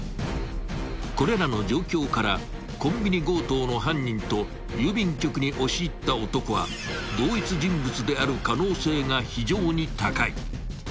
［これらの状況からコンビニ強盗の犯人と郵便局に押し入った男は同一人物である可能性が非常に高い］